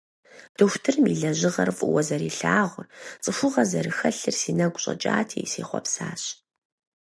Дохутырым и лэжьыгъэр фӀыуэ зэрилъагъур, цӀыхугъэ зэрыхэлъыр си нэгу щӀэкӀати, сехъуэпсащ.